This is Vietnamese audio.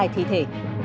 hai thi thể